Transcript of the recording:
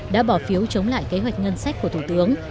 đã bỏ phiếu chống lại kế hoạch ngân sách của thủ tướng